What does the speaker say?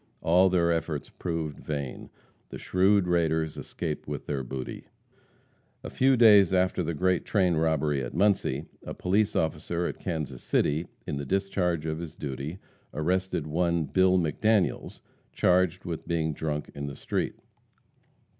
All their efforts proved vain. The shrewd raiders escaped with their booty. A few days after the great train robbery at Muncie, a police officer at Kansas City, in the discharge of his duty, arrested one Bill McDaniels, charged with being drunk on the street.